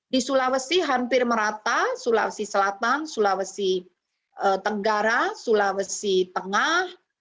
di sulawesi hampir merata sulawesi selatan sulawesi tenggara sulawesi tengah